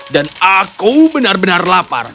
dan aku benar benar lapar